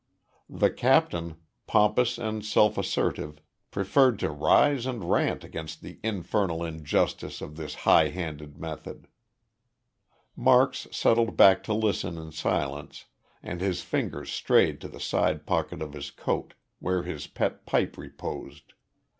The captain, pompous and self assertive, preferred to rise and rant against the "infernal injustice of this high handed method." Marks settled back to listen in silence and his fingers strayed to the side pocket of his coat where his pet pipe reposed.